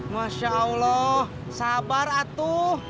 masya allah sabar atuh